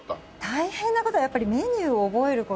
大変な事はやっぱりメニューを覚える事。